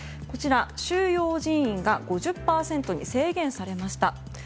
こちら収容人員が５０％に制限されました。